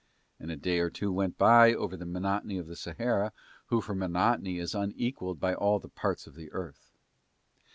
And a day or two went by over the monotony of the Sahara, who for monotony is unequalled by all the parts of the earth.